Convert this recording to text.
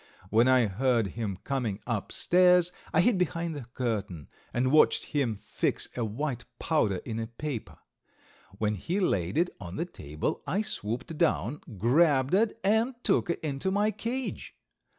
When I heard him coming upstairs I hid behind the curtain and watched him fix a white powder in a paper. When he laid it on the table I swooped down, grabbed it and took it into my cage.